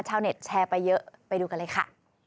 ชาวเน็ตแชร์ไปเยอะไปดูกันเลยค่ะ